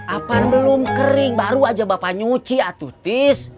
apaan belum kering baru aja bapak nyuci atuh tis